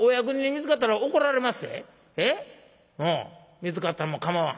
『見つかってもかまわん。